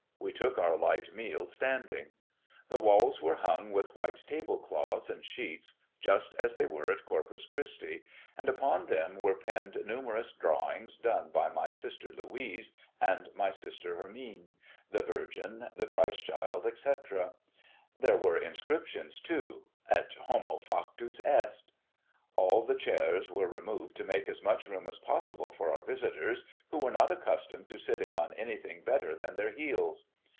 We took our light meal standing. The walls were hung with white table cloths and sheets, just as they are at Corpus Christi; and upon them were pinned numerous drawings done by my sister Louise and my sister Hermine, the Virgin, the Christ Child, etc. There were inscriptions too, "Et homo factus est!" All the chairs were removed to make as much room as possible for our visitors, who were not accustomed to sitting on anything better than their heels.